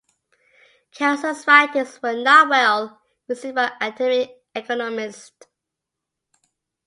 Kelso's writings were not well received by academic economists.